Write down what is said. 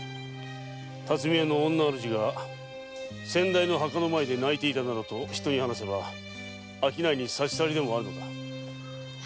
辰巳屋の女あるじが先代の墓の前で泣いていたと人に話せば商いに差し障りでもあるのか？